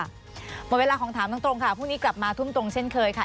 หมดเวลาของถามตรงค่ะพรุ่งนี้กลับมาทุ่มตรงเช่นเคยค่ะ